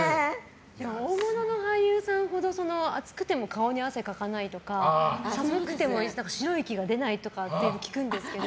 大物の俳優さんほど暑くても顔に汗かかないとか寒くても白い息が出ないっていうのを聞くんですけど。